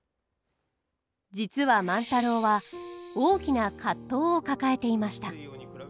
実は万太郎は大きな葛藤を抱えていました。